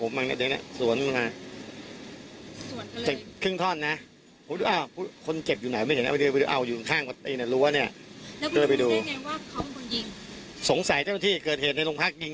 ผมต้องโดยเอาอยู่ข้างแกงน้ำรั้วเนี้ย